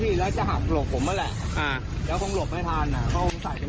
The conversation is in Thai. นี่ก็นับของมายังเร็วเลยสิ่งที่จะมองอ่ะเหรอก็ตามมามาอยังเร็วเลย